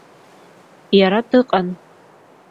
Иара дыҟан.